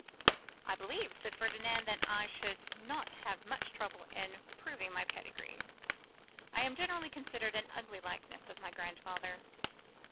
'I believe,' said Ferdinand, 'that I should not have much trouble in proving my pedigree. I am generally considered an ugly likeness of my grandfather.